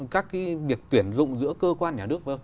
các cái việc tuyển dụng giữa cơ quan nhà nước